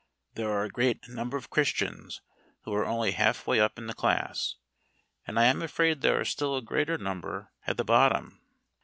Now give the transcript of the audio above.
There are a great number of Christians who are only half way up in the class, and I am afraid there are a still greater number at the bottom.